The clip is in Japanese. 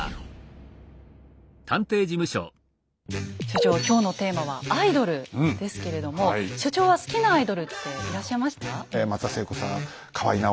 所長今日のテーマは「アイドル」ですけれども所長は好きなアイドルっていらっしゃいました？